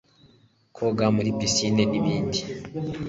koga muri piscine n'ibindi